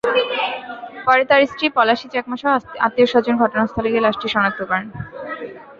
পরে তাঁর স্ত্রী পলাশী চাকমাসহ আত্মীয়স্বজন ঘটনাস্থলে গিয়ে লাশটি শনাক্ত করেন।